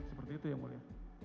seperti itu ya mulia